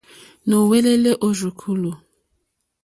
Nùwɛ́lɛ́lɛ́ ó rzùkúlù.